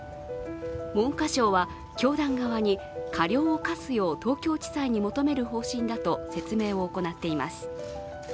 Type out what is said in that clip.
文科省は教団側に過料を科すよう東京地裁に求める方針だと説明を行っています。